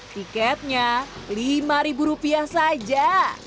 tiketnya lima ribu rupiah saja